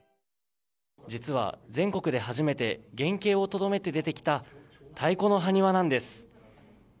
実は、全国で初めて原形をとどめて出てきた太鼓の埴輪なんです。